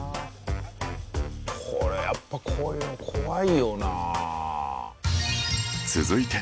これやっぱこういうの続いて